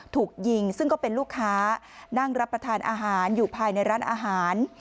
ถูกยิงซึ่งก็เป็นลูกค้านั่งรับประทานอาหารอยู่ภายในร้านอาหาร